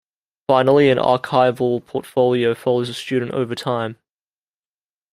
Finally, an archival portfolio follows a student over time.